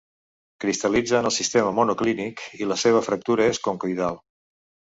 Cristal·litza en el sistema monoclínic i la seva fractura és concoidal.